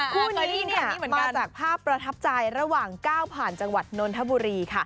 คู่นี้มาจากภาพประทับใจระหว่างก้าวผ่านจังหวัดนนทบุรีค่ะ